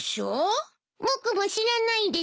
僕も知らないです。